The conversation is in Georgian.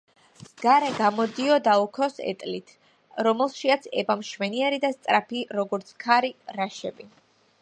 გარე გამოდიოდა ოქროს ეტლით, რომელშიაც ება მშვენიერი და სწრაფი, როგორც ქარი, რაშები.